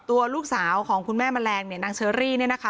ตัวลูกสาวของคุณแม่แมลงเนี่ยนางเชอรี่เนี่ยนะคะ